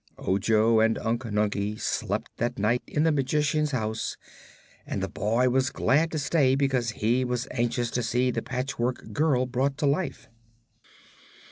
Ojo and Unc Nunkie slept that night in the Magician's house, and the boy was glad to stay because he was anxious to see the Patchwork Girl brought to life.